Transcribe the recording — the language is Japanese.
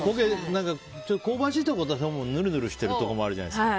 ちょっと香ばしいところとぬるぬるしてるところあるじゃないですか。